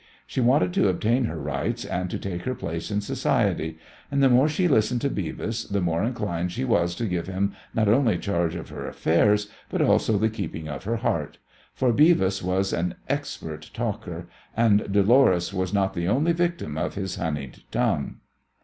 She wanted to obtain her rights and to take her place in society, and the more she listened to Beavis the more inclined she was to give him not only charge of her affairs, but also the keeping of her heart. For Beavis was an expert talker, and Dolores was not the only victim of his honeyed tongue.